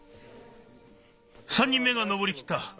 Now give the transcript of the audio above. ３人目がのぼりきった。